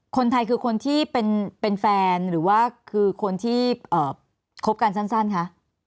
คนไทยคือคนที่เป็นแฟนหรือว่าคือคนที่คบกันสั้นคะ